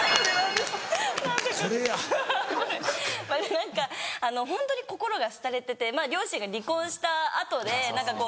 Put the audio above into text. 何かホントに心が廃れてて両親が離婚した後で何かこう。